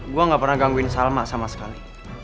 gue gak pernah gangguin salma sama sekali